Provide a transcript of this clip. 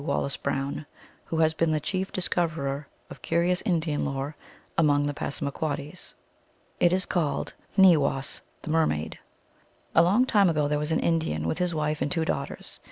Wallace Brown, who has been the chief discoverer of curious Indian lore among the Passamaquoddies. It is called: 270 THE ALGONQUIN LEGENDS. Ne If was, the Mermaid. A long time ago there was an Indian, with his wife and two daughters.